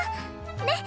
ねっ？